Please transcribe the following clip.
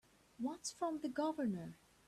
What's from the Governor?